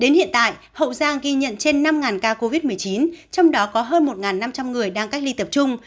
đến hiện tại hậu giang ghi nhận trên năm ca covid một mươi chín trong đó có hơn một năm trăm linh người đang cách ly tập trung